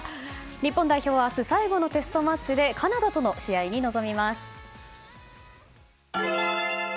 日本代表は明日最後のテストマッチでカナダとの試合に臨みます。